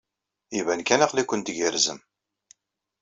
Iban kan aql-iken tgerrzem.